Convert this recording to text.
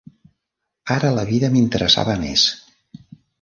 Ara la vida l'interessava més.